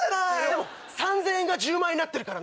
でも３０００円が１０万円に。